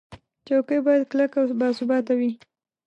چوکۍ باید کلکه او باثباته وي.